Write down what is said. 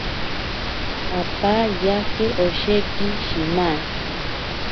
Apa yake osheki shima.